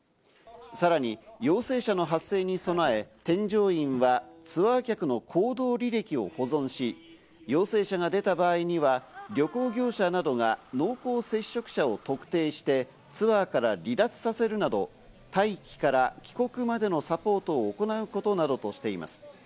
さらに陽性者の発生に備え、添乗員はツアー客の行動履歴を保存し、陽性者が出た場合には、旅行業者などが濃厚接触者を特定して、ツアーから離脱させるなどを待機から帰国までのサポートを行うことをなどとしています。